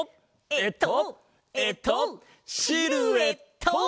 えっとえっとシルエット！